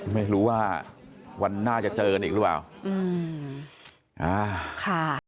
ไม่รู้ว่าวันหน้าจะเจอกันอีกหรือเปล่าอืมอ่าค่ะ